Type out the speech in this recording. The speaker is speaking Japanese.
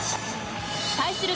対する